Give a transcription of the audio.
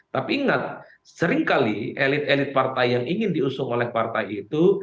tapi ingat seringkali elit elit partai yang ingin diusung oleh partai itu